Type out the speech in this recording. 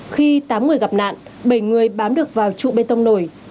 khi tám người gặp nạn bảy người bám được vào trụ bê tông nổi